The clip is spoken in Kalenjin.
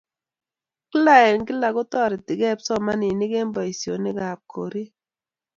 kla en kla kutoretekei kipsomaninik en boisionik ab koree